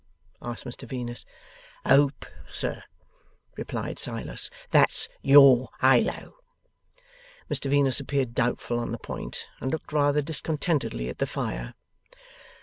asked Mr Venus. ''Ope sir,' replied Silas. 'That's YOUR halo.' Mr Venus appeared doubtful on the point, and looked rather discontentedly at the fire.